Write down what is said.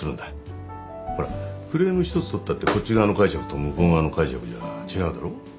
ほらクレーム１つ取ったってこっち側の解釈と向こう側の解釈じゃ違うだろ？